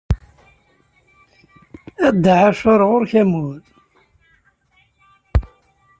A Dda Ɛacur ɣur-k amur.